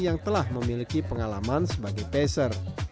yang telah memiliki pengalaman sebagai peser